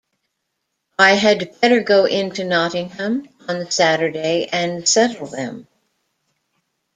I had better go into Nottingham on Saturday and settle them.